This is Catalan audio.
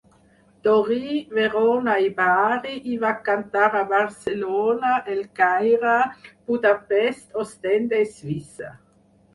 Torí, Verona i Bari, i va cantar a Barcelona, El Caire, Budapest, Ostende i Suïssa.